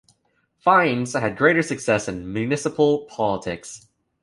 Fines had greater success in municipal politics.